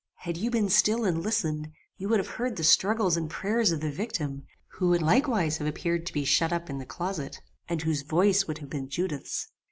Had you been still and listened, you would have heard the struggles and prayers of the victim, who would likewise have appeared to be shut up in the closet, and whose voice would have been Judith's.